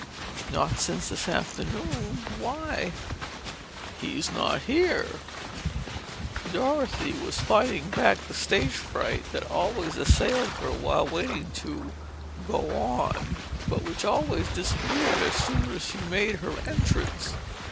"Not since this afternoon. Why?" "He's not here." Dorothy was fighting back the stage fright that always assailed her while waiting to "go on," but which always disappeared as soon as she made her entrance.